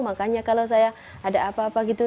makanya kalau saya ada apa apa gitu